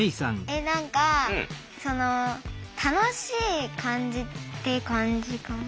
何かその楽しい感じって感じかな。